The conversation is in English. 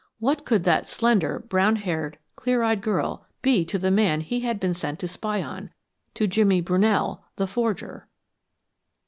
What could that slender, brown haired, clear eyed girl be to the man he had been sent to spy upon to Jimmy Brunell, the forger?